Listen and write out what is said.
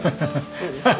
そうですね。